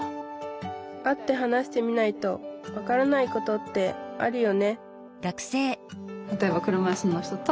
会って話してみないと分からないことってあるよね